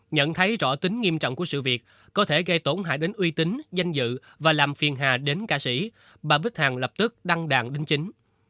nhận thấy rõ tính nghiêm trọng của sự việc có thể gây tổn hại đến uy tín danh dự và làm phiền hà đến ca sĩ bà bích hằng lập tức đăng đàn đính chính